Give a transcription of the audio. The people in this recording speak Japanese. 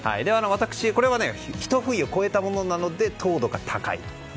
これはひと冬越えたものなので糖度が高いと。